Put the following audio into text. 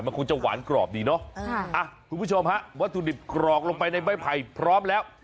มันคงจะหวานกรอบดีเนาะคุณผู้ชมฮะวัตถุดิบกรอกลงไปในใบไผ่พร้อมแล้ว